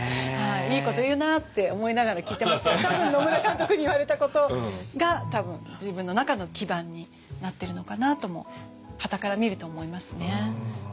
いいこと言うなって思いながら聞いてますけど多分野村監督に言われたことが多分自分の中の基盤になってるのかなとも端から見ると思いますね。